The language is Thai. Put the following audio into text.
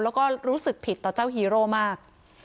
แล้วก็รู้สึกผิดต่อเจ้าฮีโร่มาก